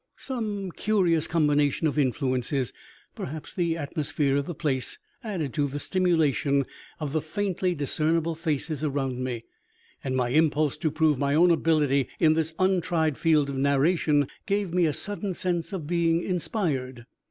Some curious combination of influences perhaps the atmosphere of the place, added to the stimulation of the faintly discernible faces around me, and my impulse to prove my own ability in this untried field of narration gave me a sudden sense of being inspired.